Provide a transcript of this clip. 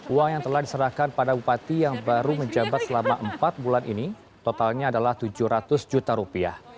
uang yang telah diserahkan pada bupati yang baru menjabat selama empat bulan ini totalnya adalah tujuh ratus juta rupiah